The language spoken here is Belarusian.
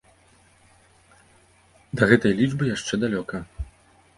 Да гэтай лічбы яшчэ далёка.